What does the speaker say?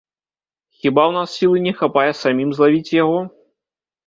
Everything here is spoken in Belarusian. Хіба ў нас сілы не хапае самім злавіць яго?